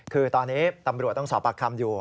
คือตอนนี้ตำรวจต้องสอบปากคำอยู่